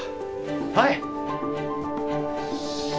はい！